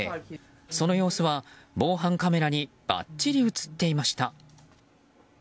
その様子は、防犯カメラにばっちり映っていました。